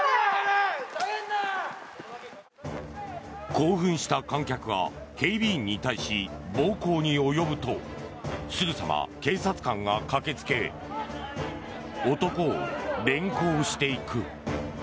興奮した観客が警備員に対し暴行に及ぶとすぐさま警察官が駆けつけ男を連行していく。